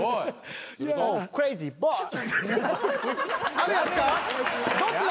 あるやつだ。